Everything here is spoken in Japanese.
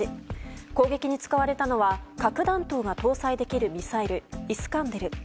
攻撃に使われたのは核弾頭が搭載できるミサイルイスカンデル。